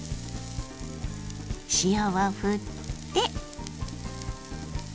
塩をふって。